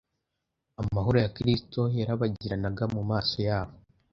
Amahoro ya Kristo yarabagiranaga mu maso yabo.